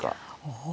お。